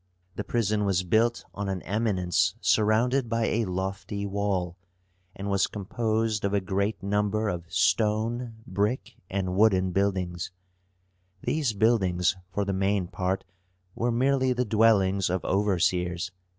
The prison was built on an eminence surrounded by a lofty wall, and was composed of a great number of stone, brick, and wooden buildings. These buildings for the main part were merely the dwellings of overseers.